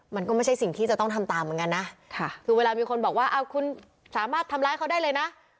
มันก็ไม่ใช่สิ่งที่จะต้องทำตามเหมือนกันนะคือเวลามีคนบอกว่าคุณสามารถทำร้ายเขาได้เลยนะ